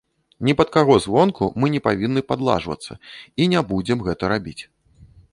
Ні пад каго звонку мы не павінны падладжвацца і не будзем гэта рабіць.